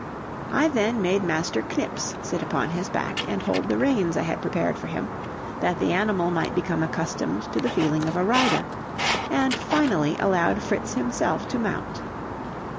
I then made Master Knips sit upon his back and hold the reins I had prepared for him, that the animal might become accustomed to the feeling of a rider, and finally allowed Fritz himself to mount.